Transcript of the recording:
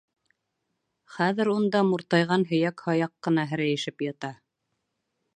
Хәҙер унда муртайған һөйәк-һаяҡ ҡына һерәйешеп ята.